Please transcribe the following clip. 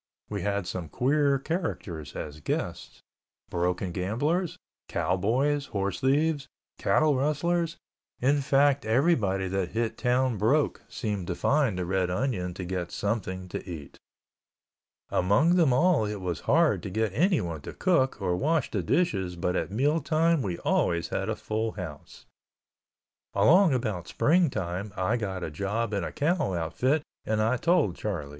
We had some queer characters as guests. Broken gamblers, cowboys, horse thieves, cattle rustlers, in fact, everybody that hit town broke seemed to find the Red Onion to get something to eat. Among them all it was hard to get anyone to cook or wash the dishes but at meal time we always had a full house. Along about spring time I got a job in a cow outfit and I told Charlie.